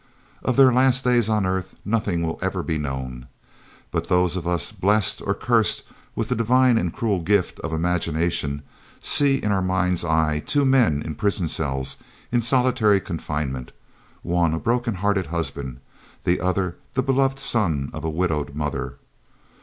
Of their last days on earth nothing will ever be known, but those of us blessed or cursed with the divine and cruel gift of imagination see in our mind's eye two men in prison cells in solitary confinement, one a broken hearted husband, the other the beloved son of a widowed mother.